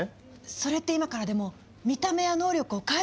それって今からでも見た目や能力を変えられるってこと？